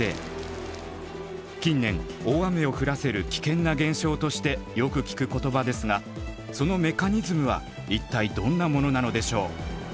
近年大雨を降らせる危険な現象としてよく聞く言葉ですがそのメカニズムは一体どんなものなのでしょう？